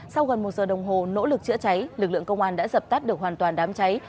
sau gần một giờ đồng hồ nỗ lực chữa cháy lực lượng công an đã dập tắt được hoàn toàn đám cháy